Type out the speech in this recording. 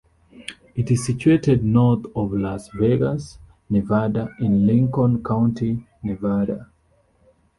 It is situated north of Las Vegas, Nevada in Lincoln County, Nevada.